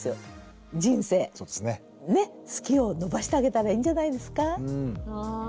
好きを伸ばしてあげたらいいんじゃないですか。